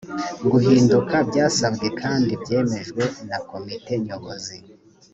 guhinduka byasabwe kandi byemejwe na komite nyobozi